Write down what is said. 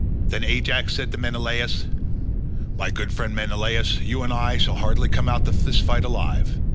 Then Ajax said to Menelaus, "My good friend Menelaus, you and I shall hardly come out of this fight alive.